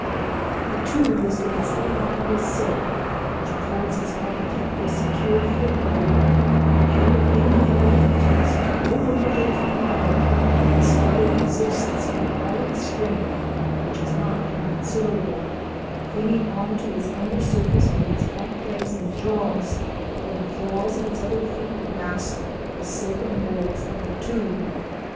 The tube is densely lined with silk, which affords its architect a secure foot hold, and if any enemy attempts to open the lid from without, the spider resists with all its strength—which is not inconsiderable—clinging on to its under surface with its front legs and jaws, while the claws of its other feet grasp the silken walls of the tube.